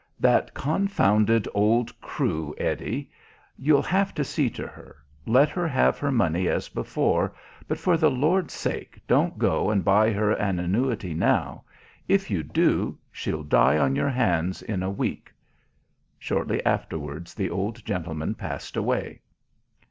"That confounded old Crewe, Eddie. You'll have to see to her. Let her have her money as before, but for the Lord's sake don't go and buy her an annuity now. If you do, she'll die on your hands in a week!" Shortly afterwards the old gentleman passed away.